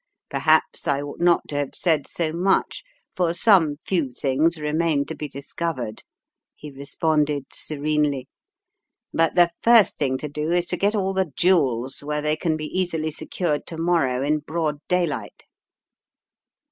Perhaps I ought not to have said so much, for some few things remain to be discovered," he responded, serenely, "but the first thing to do is to get all the jewels, where they can be easily secured to morrow in broad daylight.".